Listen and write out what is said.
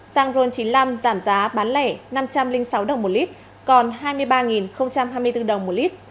xăng ron chín mươi năm giảm giá bán lẻ năm trăm linh sáu đồng một lít